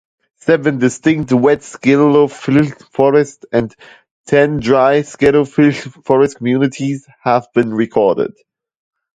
Seven distinct wet sclerophyll forest and ten dry sclerophyll forest communities have been recorded.